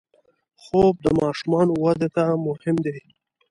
خوب د ماشومانو وده ته مهم دی